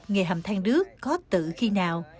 nghề hầm thang đước có tự khi nào